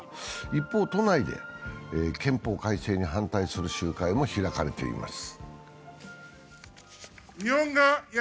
一方、都内で、憲法改正に反対する集会も開かれています。